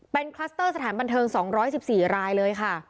เป็นคลัสเตอร์สถานบันเทิง๒๑๔รายเลยค่ะ